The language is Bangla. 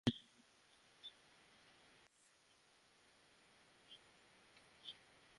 চিঠির বিষয়বস্তু হচ্ছে বরকতউল্লাহ নামের এক ব্যবসায়ী ময়মনসিংহ শহরের বাড়ি নিসার আলিকে দান করেছেন।